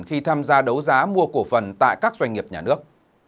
khi tham gia đấu giá mua cổ phần tại các doanh nghiệp nhà nước